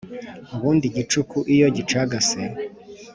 ubundi igicuku iyo gicagase